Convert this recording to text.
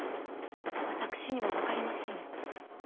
私にも分かりませぬ。